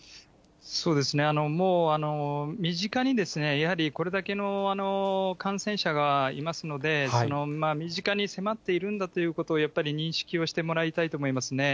そうですね、もう身近にやはりこれだけの感染者がいますので、身近に迫っているんだということを、やっぱり認識をしてもらいたいと思いますね。